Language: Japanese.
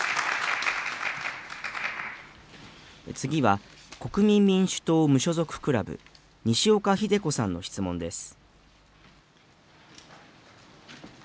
次は国民民主党・無所属クラブ、西岡秀子さんの質問です。